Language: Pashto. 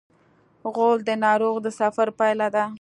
غول د ناروغ د سفر پایله ده.